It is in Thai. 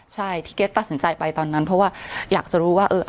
ใช่ที่เกรทตัดสินใจไปตอนนั้นเพราะว่าอยากจะรู้ว่า